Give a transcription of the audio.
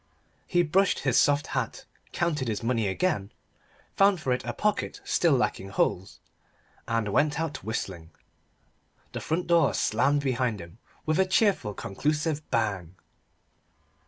He brushed his soft hat counted his money again found for it a pocket still lacking holes and went out whistling. The front door slammed behind him with a cheerful conclusive bang.